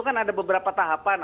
kan ada beberapa tahapan